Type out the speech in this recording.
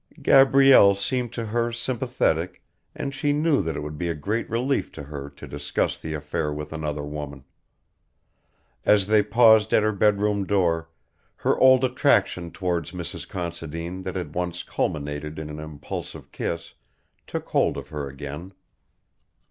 Gabrielle seemed to her sympathetic and she knew that it would be a great relief to her to discuss the affair with another woman. As they paused at her bedroom door, her old attraction towards Mrs. Considine that had once culminated in an impulsive kiss took hold of her again.